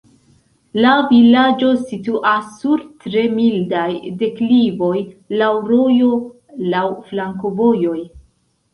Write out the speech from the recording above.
La vilaĝo situas sur tre mildaj deklivoj, laŭ rojo, laŭ flankovojoj.